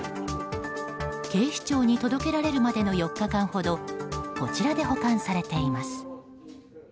警視庁に届けられるまでの４日間ほどこちらで保管されています。